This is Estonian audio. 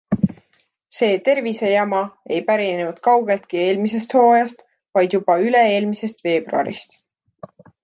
See tervisejama ei pärinenud kaugeltki eelmisest hooajast, vaid juba üle-eelmisest veebruarist.